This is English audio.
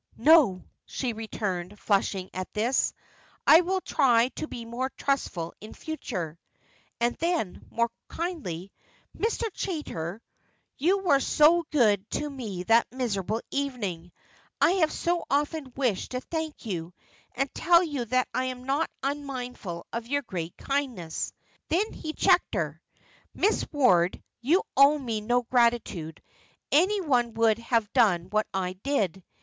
"No!" she returned, flushing at this; "I will try to be more trustful in future." And then, more kindly, "Mr. Chaytor, you were so good to me that miserable evening, I have so often wished to thank you, and tell you that I am not unmindful of your great kindness." Then he checked her. "Miss Ward, you owe me no gratitude; any one would have done what I did.